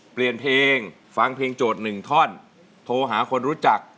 เปลี่ยนเพลงฟังเพลงโจทย์หนึ่งท่อนโทรหาคนรู้จัก